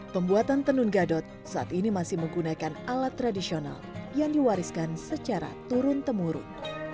pembuatan tenun gadot saat ini masih menggunakan alat tradisional yang diwariskan secara turun temurun